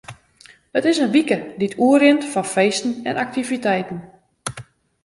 It is in wike dy't oerrint fan feesten en aktiviteiten.